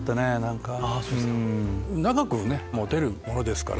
長く持てるものですから。